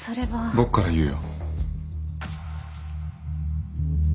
僕から言うよ。